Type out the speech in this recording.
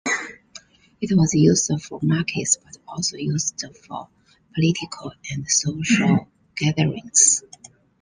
It was used for markets, but also used for political and social gatherings.